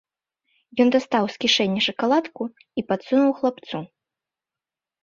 Ён дастаў з кішэні шакаладку і падсунуў хлапцу.